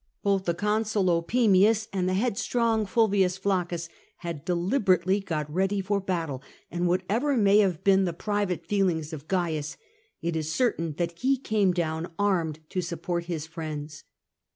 Both the Consul Opimius and the headstrong Fulvius Flaccus had deliberately got ready for battle, and whatever may have been the private feelings of Oaius, it is certain that he came down armed to support his friends.